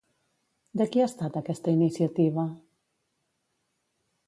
De qui ha estat aquesta iniciativa?